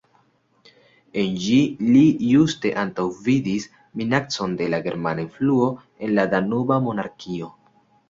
En ĝi li juste antaŭvidis minacon de la germana influo en la Danuba Monarkio.